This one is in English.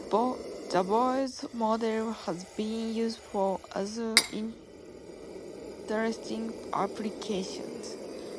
The boids model has been used for other interesting applications.